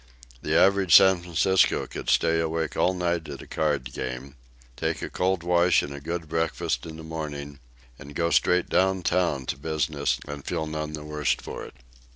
The average San Franciscan could stay awake all night at a card game, take a cold wash and a good breakfast in the morning, and go straight downtown to business and feel none the worse for it.